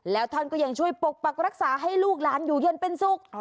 แล้วท่านก็ยังช่วยปกปักรักษาให้ลูกหลานอยู่เย็นเป็นสุข